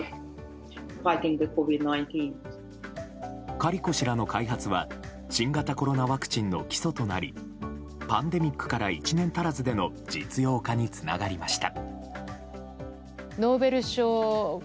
カリコ氏らの開発は新型コロナワクチンの基礎となりパンデミックから１年足らずでの実用化につながりました。